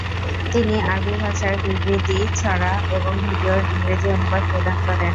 তিনি আরবি ভাষার বিবৃতি, ছড়া এবং ভিডিওর ইংরেজি অনুবাদ প্রদান করেন।